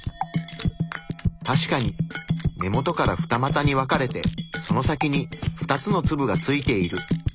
確かに根元から二またに分かれてその先に２つの粒がついている。